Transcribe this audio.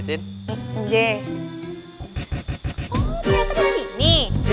oh ternyata di sini